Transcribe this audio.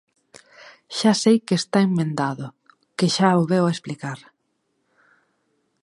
Xa sei que está emendado, que xa o veu explicar.